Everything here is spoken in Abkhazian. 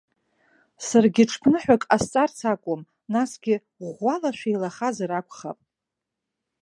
Саргьы ҽԥныҳәак ҟасҵарц акәым, насгьы ӷәӷәала шәеилахазар акәхап?!